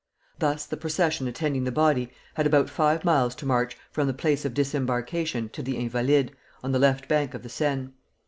Thus the procession attending the body had about five miles to march from the place of disembarkation to the Invalides, on the left bank of the Seine.